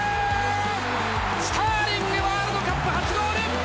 スターリングにワールドカップ初ゴール！